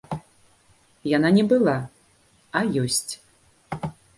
Яна не была, а ёсць.